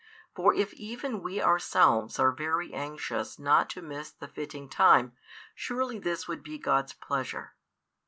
For if even we ourselves are very anxious not to miss the fitting time, surely this would be God's pleasure.